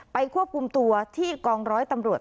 ไปควบคุมตัวกองร้อยตำรวจ